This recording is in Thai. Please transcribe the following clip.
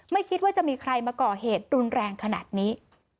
ไม่คิดว่าจะมีใครมาก่อเหตุรุนแรงขนาดนี้